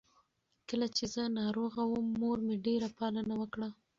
کله چې زه ناروغه وم، مور مې ډېره پالنه وکړه.